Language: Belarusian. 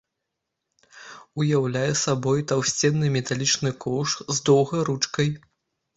Уяўляе сабой таўстасценны металічны коўш з доўгай ручкай.